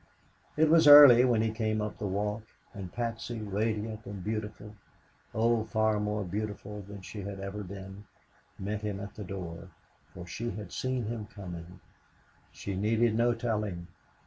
It was early when he came up the walk and Patsy, radiant and beautiful oh, far more beautiful than she had ever been met him at the door, for she had seen him coming. She needed no telling.